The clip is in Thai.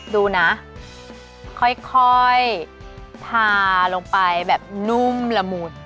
ดูนะค่อยทาลงไปแบบนุ่มละมุน